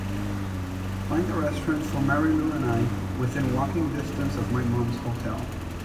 Find a restaurant for marylou and I within walking distance of my mum's hotel